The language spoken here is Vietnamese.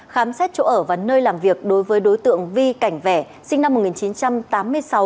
khám xét chỗ ở và nơi làm việc đối với đối tượng vi cảnh vẽ sinh năm một nghìn chín trăm tám mươi sáu